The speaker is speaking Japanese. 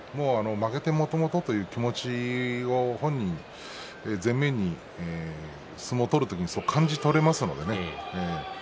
負けてもともとという気持ち本人は全面に相撲を取る時に感じ取れますからね。